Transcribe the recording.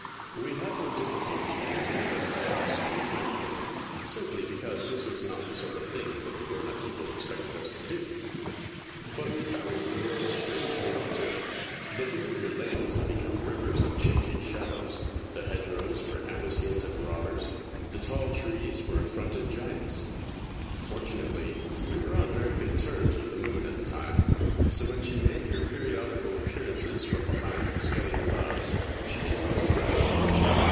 We had no difficulty in getting out of the house when the time came, simply because this was not the sort of thing that the grown up people expected us to do, but we found the world strangely altered. The familiar lanes had become rivers of changing shadows, the hedgerows were ambuscades of robbers, the tall trees were affronted giants. Fortunately, we were on very good THE MAGIC POOL 23 terms with the moon at the time, so when she made her periodical appearances from behind the scudding clouds she came as a friend.